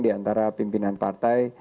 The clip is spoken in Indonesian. diantara pimpinan partai